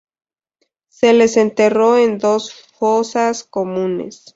Se les enterró en dos fosas comunes.